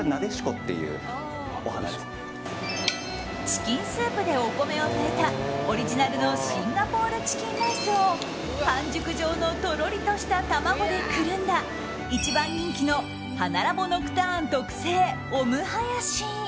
チキンスープでお米を炊いたオリジナルのシンガポールチキンライスを半熟状のとろりとした卵でくるんだ一番人気の花Ｌａｂ．Ｎｏｃｔｕｒｎｅ特製オムハヤシ。